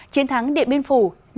chiến thắng điện biên phủ